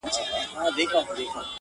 په ګاونډ کي پاچاهان او دربارونه!!